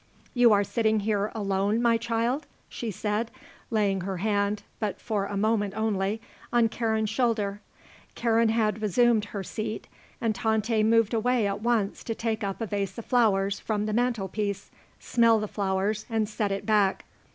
"You are sitting here, alone, my child?" she said, laying her hand, but for a moment only, on Karen's shoulder. Karen had resumed her seat, and Tante moved away at once to take up a vase of flowers from the mantelpiece, smell the flowers, and set it back.